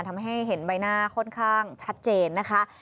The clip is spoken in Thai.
ทำให้เห็นใบหน้าค่อนข้างชัดเจนนะคะ